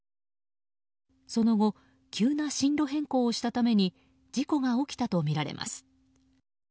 その後急な進路変更をしたために事故が起きたとみられます。